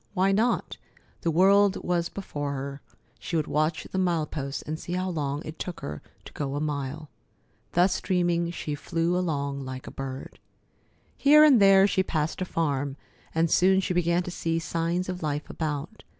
Why not? The world was before her. She would watch the mile posts and see how long it took her to go a mile. Thus dreaming, she flew along like a bird. Here and there she passed a farm, and soon she began to see signs of life about.